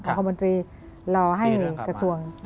คมนตรีรอให้กระทรวง